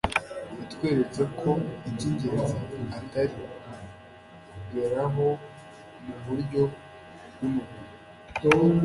yatweretse ko icy'ingenzi atari ibyo tugeraho mu buryo bw'umubiri